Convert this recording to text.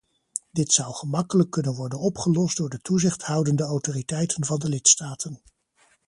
Dit zou gemakkelijk kunnen worden opgelost door de toezichthoudende autoriteiten van de lidstaten.